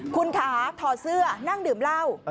คุณคะถอดเสื้อนั่งดื่มเหล้า